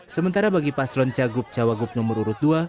sementara bagi paslon cagup cawagup nomor urut dua